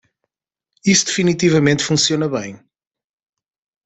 Isso definitivamente funciona bem.